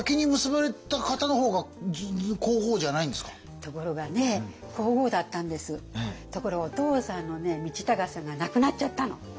ところがお父さんの道隆さんが亡くなっちゃったの。